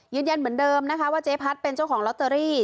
ยืนยันเหมือนเดิมนะคะว่าเจ๊พัดเป็นเจ้าของลอตเตอรี่